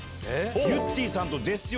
ゆってぃさんとですよ。